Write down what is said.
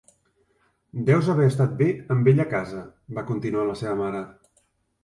'Deus haver estat bé amb ella a casa', va continuar la seva mare.